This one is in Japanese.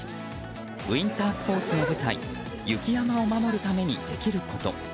ウィンタースポーツの舞台雪山を守るためにできること。